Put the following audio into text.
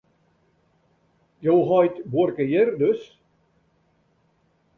Jo heit buorke hjir dus?